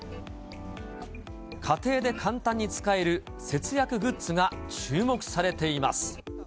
家庭で簡単に使える節約グッズが注目されています。